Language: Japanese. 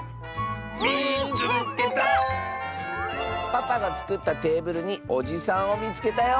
「パパがつくったテーブルにおじさんをみつけたよ！」。